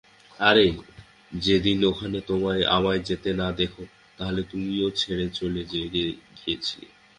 আর যদি ওখানে আমায় যেতে না দেখো, তাহলে তুমিই ছেড়ে চলে গিয়েছিলে।